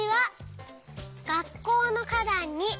「がっこうのかだんに」